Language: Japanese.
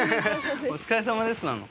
お疲れさまですなの？